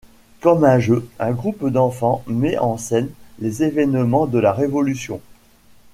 Comme un jeu, un groupe d'enfants met en scène les événements de la Révolution.